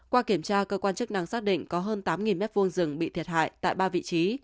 qua kiểm tra cơ quan chức năng xác định có hơn tám m hai rừng bị thiệt hại tại ba vị trí